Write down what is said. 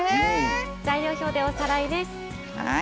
材料表でおさらいです。